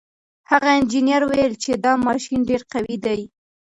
هغه انجنیر وویل چې دا ماشین ډېر قوي دی.